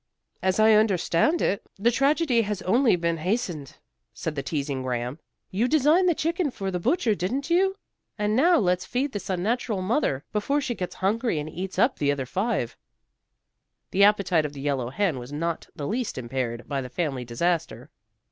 "As I understand it, the tragedy has only been hastened," said the teasing Graham. "You designed the chicken for the butcher, didn't you? And now let's feed this unnatural mother before she gets hungry and eats up the other five." The appetite of the yellow hen was not the least impaired by the family disaster.